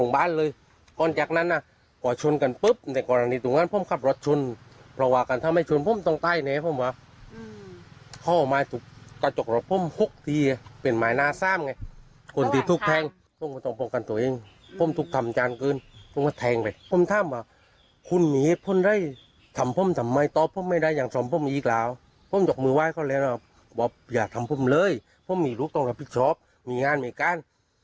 บอกว่าอย่าทำผมเลยผมมีรูปต้องรับพิชฟ์มีงานมีการ